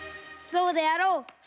そうであろう！